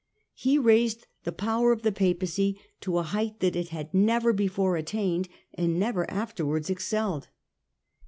He raised the power of the Papacy to a height that it had never before attained and never afterwards excelled.